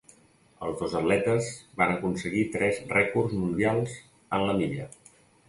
Els dos atletes van aconseguir tres rècords mundials en la milla.